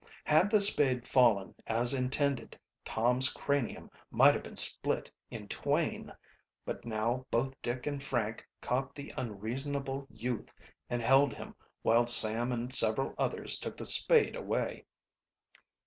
Had the spade fallen as intended Tom's cranium might have been split in twain. But now both Dick and Frank caught the unreasonable youth and held him while Sam and several others took the spade away.